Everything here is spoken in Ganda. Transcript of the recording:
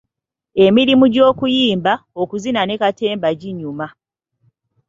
Emirimu gy'okuyimba, okuzina ne katemba ginyuma.